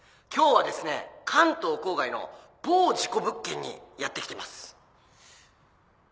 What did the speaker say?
今日はですね関東郊外の某事故物件にやって来てます。